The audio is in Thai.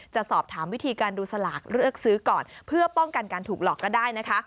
จะสอบถามวิธีการดูสลากเลือกซื้อก่อนเพื่อป้องกันการถูกหลอกก็ได้นะคะ